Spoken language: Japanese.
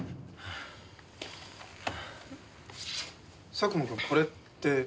佐久間君これって。